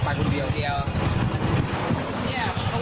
ไม่บุหรณีก็เพิ่งมาทำงาน